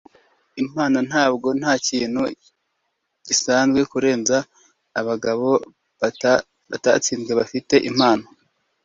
impano ntabwo; ntakintu gisanzwe kurenza abagabo batatsinzwe bafite impano